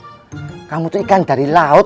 ikan kamu itu dari laut